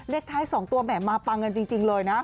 เล็กท้าย๒ตัวแหมมมาปางเงินจริงเลยนะ